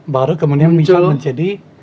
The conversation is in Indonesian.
baru kemudian bisa menjadi